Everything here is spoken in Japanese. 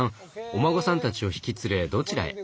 お孫さんたちを引き連れどちらへ？